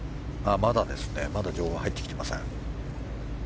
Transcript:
まだ情報は入ってきていません。